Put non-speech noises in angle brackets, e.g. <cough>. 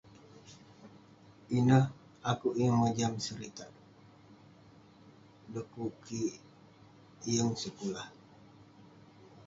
Ineh, akeuk yeng mojam seritak. Dekuk kik yeng. <unintelligible>